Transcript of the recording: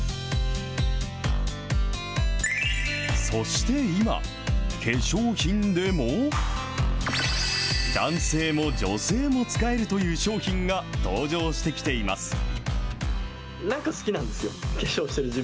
そして今、化粧品でも、男性も女性も使えるという商品が登場してきています。